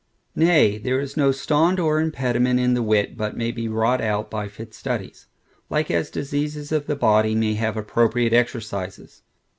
Nay, there is no stond or impediment in the wit, but may be wrought out by fit studies; like as diseases of the body, may have appropriate exercises.